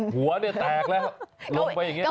หัวเนี่ยแตกแล้วลงไปอย่างนี้